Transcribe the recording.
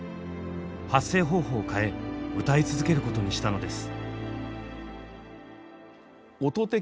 発声方法を変え歌い続けることにしたのです。